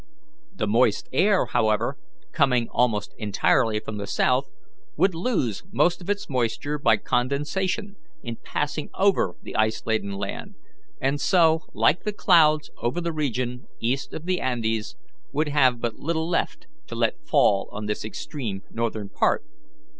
The moist air, however, coming almost entirely from the south, would lose most of its moisture by condensation in passing over the ice laden land, and so, like the clouds over the region east of the Andes, would have but little left to let fall on this extreme northern part.